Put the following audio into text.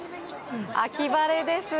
秋晴れです。